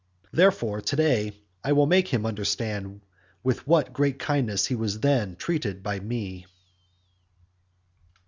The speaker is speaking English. Therefore, to day I will make him understand with what great kindness he was then treated by me.